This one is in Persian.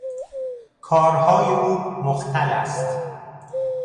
کارهای او مختل است.